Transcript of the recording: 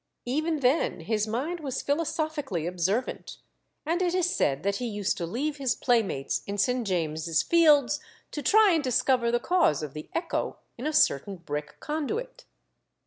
Even then his mind was philosophically observant; and it is said that he used to leave his playmates in St. James's Fields to try and discover the cause of the echo in a certain brick conduit.